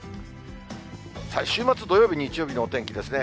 週末土曜日、日曜日のお天気ですね。